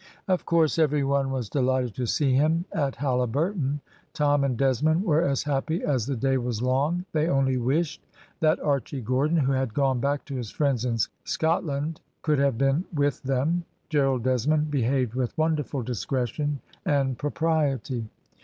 Of course every one was delighted to see him at Halliburton. Tom and Desmond were as happy as the day was long, they only wished that Archy Gordon, who had gone back to his friends in Scotland, could have been with them. Gerald Desmond behaved with wonderful discretion and propriety.